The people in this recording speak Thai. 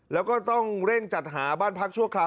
แล้วก็ต้องเร่งจัดหาบ้านพักชั่วคราว